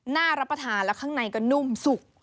น่ารับประทานแล้วข้างในก็นุ่มสุก